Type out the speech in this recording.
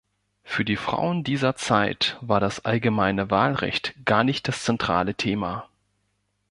Für die Frauen dieser Zeit war das allgemeine Wahlrecht gar nicht das zentrale Thema.